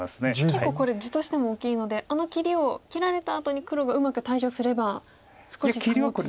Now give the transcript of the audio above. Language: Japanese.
結構これ地としても大きいのであの切りを切られたあとに黒がうまく対処すれば少し差も縮まってきますか。